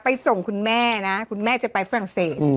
ส่งคุณแม่นะคุณแม่จะไปฝรั่งเศส